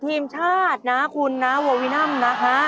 ทีมชาตินะคุณนะโววินัมนะฮะ